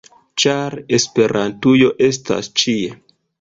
ĉar Esperantujo estas ĉie!